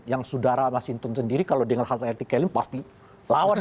yang sudara mas hinton sendiri kalau dengar hadzai artikelen pasti lawan